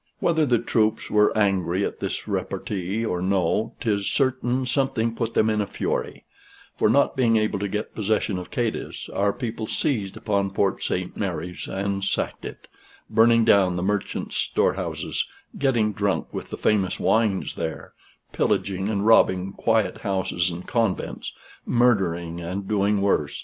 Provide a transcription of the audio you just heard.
Whether the troops were angry at this repartee or no, 'tis certain something put them in a fury; for, not being able to get possession of Cadiz, our people seized upon Port Saint Mary's and sacked it, burning down the merchants' storehouses, getting drunk with the famous wines there, pillaging and robbing quiet houses and convents, murdering and doing worse.